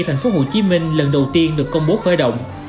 thành phố hồ chí minh lần đầu tiên được công bố khởi động